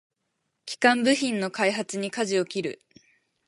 基幹部品の開発にかじを切る